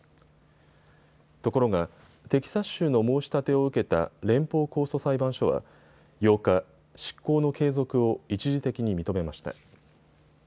ところがテキサス州の申し立てを受けた連邦控訴裁判所は８日、執行の継続を一時的に認めました。